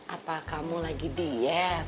apa kamu lagi diet